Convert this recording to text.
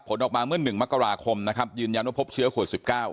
ผลออกมาเมื่อ๑มกราคมนะครับยืนยันว่าพบเชื้อโควิด๑๙